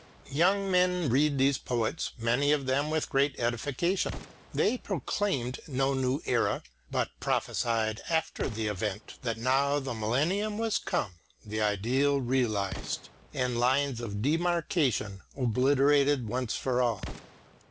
Young men read these poets, many of them with great edification. They proclaimed no new era, but prophesied after the event that now the millennium was come, the ideal realised, and lines of demarcation obliterated once for all.